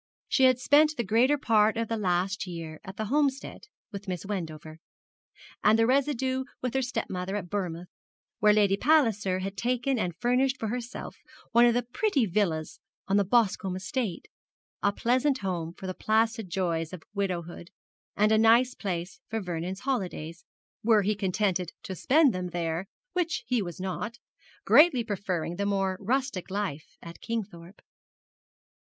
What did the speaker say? She had spent the greater part of the last year at the Homestead with Miss Wendover, and the residue with her stepmother at Bournemouth, where Lady Palliser had taken and furnished for herself one of the pretty villas on the Boscomb estate, a pleasant home for the placid joys of widowhood, and a nice place for Vernon's holidays, were he contented to spend them there, which he was not, greatly preferring the more rustic life of Kingthorpe.